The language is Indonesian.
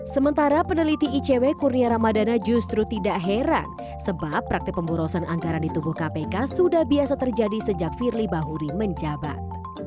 sementara peneliti icw kurnia ramadana justru tidak heran sebab praktik pemborosan anggaran di tubuh kpk sudah biasa terjadi sejak firly bahuri menjabat